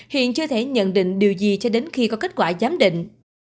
hiện chưa thể nhận định điều gì cho đến khi có kết quả giám định